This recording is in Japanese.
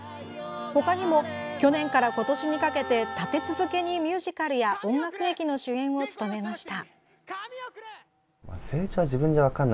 他にも、去年から今年にかけて立て続けにミュージカルや音楽劇の主演を務めました。